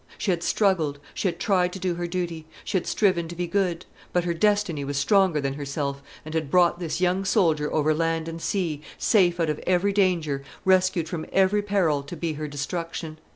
She had struggled; she had tried to do her duty; she had striven to be good. But her destiny was stronger than herself, and had brought this young soldier over land and sea, safe out of every danger, rescued from every peril, to be her destruction.